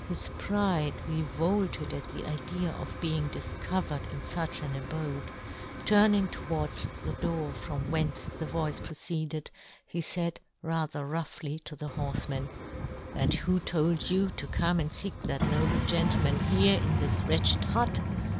His pride revolted at the idea of being difcovered in fuch yohn Gutenberg. loi an abode ; turning towards the door from whence the voice proceeded, he faid rather roughly to the horfe man, " And who told you to come " and feek that noble gentleman " here in this wretched hut?